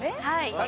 はい。